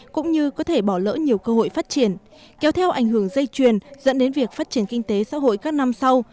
cũng như có thể bỏ lỡ nhiều cơ hội phát triển kéo theo ảnh hưởng dây chuyền dẫn đến việc phát triển kinh tế xã hội các năm sau